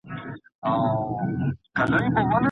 کشته بې زردالو نه جوړیږي.